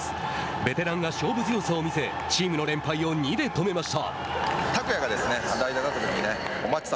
ベテランが勝負強さを見せチームの連敗を２で止めました。